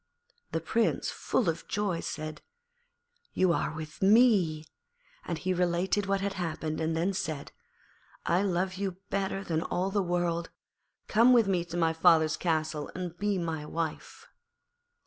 The Prince, full of joy, said, 'You are with me,' and he related what had happened, and then said, 'I love you better than all the world; come with me to my father's castle and be my wife.'